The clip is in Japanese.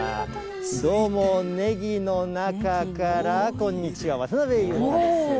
どうも、ねぎの中から、こんにちは、渡辺裕太です。